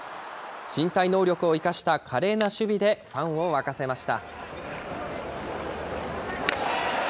身体能力を生かした華麗な守備でファンを沸かせました。